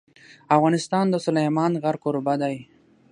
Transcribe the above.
افغانستان د سلیمان غر کوربه دی.